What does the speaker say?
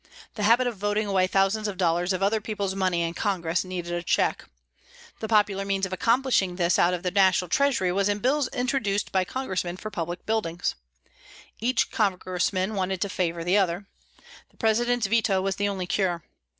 The habit of voting away thousands of dollars of other people's money in Congress needed a check. The popular means of accomplishing this out of the national treasury was in bills introduced by Congressmen for public buildings. Each Congressman wanted to favour the other. The President's veto was the only cure.